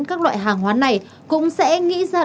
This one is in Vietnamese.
các loại hàng hóa này cũng sẽ nghĩ ra